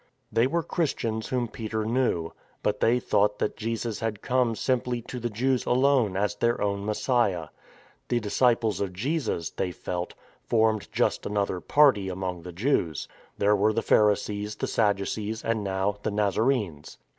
They were Christians whom Peter knew. But they thought that Jesus had come simply to the Jews alone, as their own Messiah. The disciples of Jesus (they felt) formed just another party among the 155 156 THE FORWARD TREAD Jews. There were the Pharisees, the Sadducees, and now the Nazarenes.